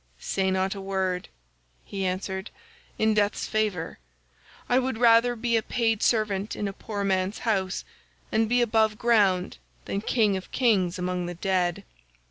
"'Say not a word,' he answered, 'in death's favour; I would rather be a paid servant in a poor man's house and be above ground than king of kings among the dead.